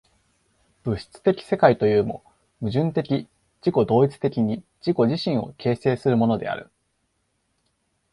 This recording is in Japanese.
物質的世界というも、矛盾的自己同一的に自己自身を形成するものである。